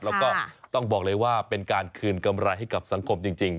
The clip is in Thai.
แล้วก็ต้องบอกเลยว่าเป็นการคืนกำไรให้กับสังคมจริง